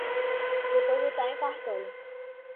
depositar em cartório